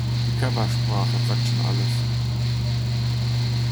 Die Körpersprache sagt schon alles.